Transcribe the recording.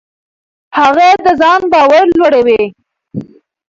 هغه د ځان باور لوړوي.